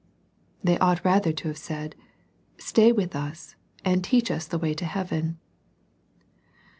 They ought rather to have said> " Stay with us, and teach us the way to heaven."